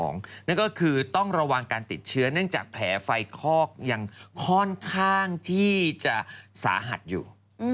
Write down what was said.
นั่นก็คือต้องระวังการติดเชื้อเนื่องจากแผลไฟคอกยังค่อนข้างที่จะสาหัสอยู่